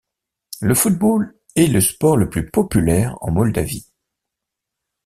Le football est le sport le plus populaire en Moldavie.